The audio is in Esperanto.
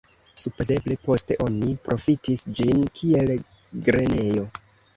Supozeble poste oni profitis ĝin kiel grenejo.